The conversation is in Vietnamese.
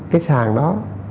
cái sàn đó